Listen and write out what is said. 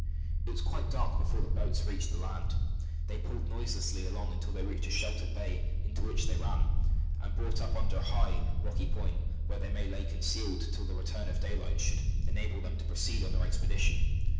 It was quite dark before the boats reached the land. They pulled noiselessly along till they reached a sheltered bay, into which they ran, and brought up under a high, rocky point, where they might lay concealed till the return of daylight should enable them to proceed on their expedition.